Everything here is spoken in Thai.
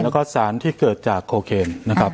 แล้วก็สารที่เกิดจากโคเคนนะครับ